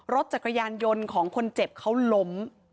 รถจักรยานยนต์ของคนเจ็บเขาล้ม